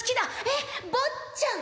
「えっ？坊ちゃん」。